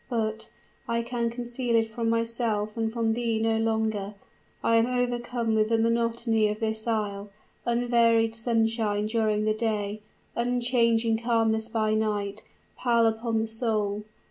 But I can conceal it from myself and from thee no longer I am overcome with the monotony of this isle. Unvaried sunshine during the day, unchanging calmness by night, pall upon the soul.